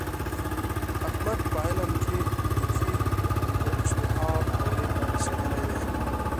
احمد په علم کې بیخي د اجتهاد دورې ته رسېدلی دی.